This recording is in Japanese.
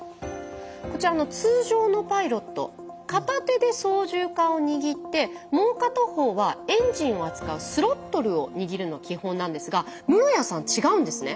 こちら通常のパイロット片手で操縦かんを握ってもう片方はエンジンを扱うスロットルを握るの基本なんですが室屋さん違うんですね。